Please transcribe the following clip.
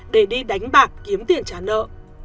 để đi đánh bạc kiếm tiền trả nợ